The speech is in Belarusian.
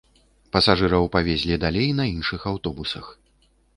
Пасажыраў павезлі далей на іншых аўтобусах.